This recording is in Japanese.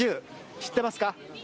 知ってますか。